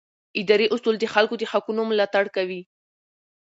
اداري اصول د خلکو د حقونو ملاتړ کوي.